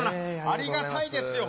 ありがたいですよ